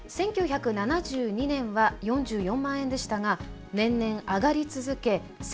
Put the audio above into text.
１９７２年は４４万円でしたが年々上がり続け